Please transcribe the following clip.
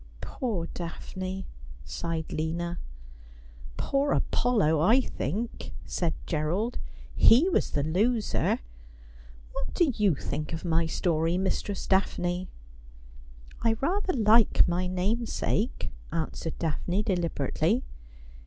'' Poor Daphne,' sighed Lina. ' Poor Apollo, I think,' said G erald ;' he was the loser. What do you think of my story. Mistress Daphne?' ' I rather like my namesake,' answered Daphne deliberately.